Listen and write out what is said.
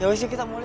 yaudah kita mulai